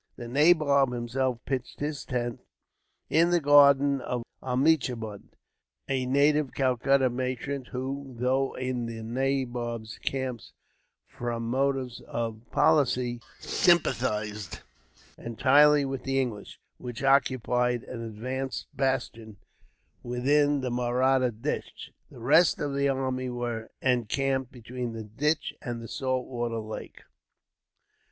The nabob himself pitched his tent in the garden of Omichund (a native Calcutta merchant who, though in the nabob's camp from motives of policy, sympathized entirely with the English), which occupied an advanced bastion within the Mahratta Ditch. The rest of the army were encamped between the ditch and the saltwater lake.